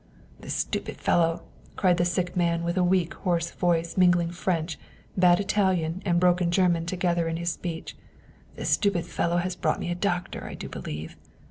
" This stupid fellow," cried the sick man with a weak, hoarse voice, mingling French, bad Italian, and broken German together in his speech " this stupid fellow has brought me a doctor, I do believe.